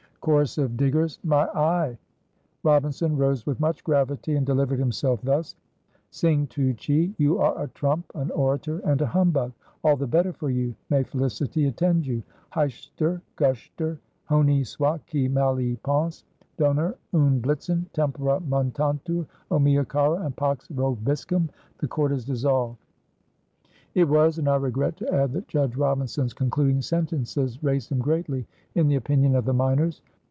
Chorus of diggers. "My eye!" Robinson rose with much gravity and delivered himself thus: "Sing tu Che, you are a trump, an orator, and a humbug. All the better for you. May felicity attend you. Heichster guchster honi soit qui mal y pense donner und blitzen tempora mutantur O mia cara and pax vobiscum. The court is dissolved." It was, and I regret to add that Judge Robinson's concluding sentences raised him greatly in the opinion of the miners.